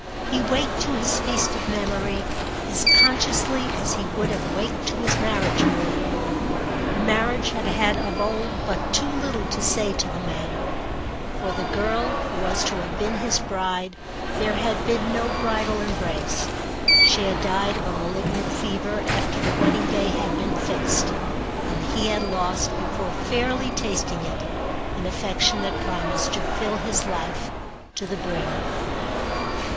He waked to his feast of memory as consciously as he would have waked to his marriage morn. Marriage had had of old but too little to say to the matter: for the girl who was to have been his bride there had been no bridal embrace. She had died of a malignant fever after the wedding day had been fixed, and he had lost before fairly tasting it an affection that promised to fill his life to the brim.